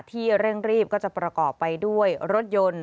เร่งรีบก็จะประกอบไปด้วยรถยนต์